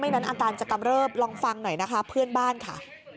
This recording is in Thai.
ไม่นั้นอันตราจักรรเวศลองฟังหน่อยนะคะเพื่อนบ้านค่ะ